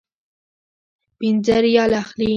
پنځه ریاله اخلي.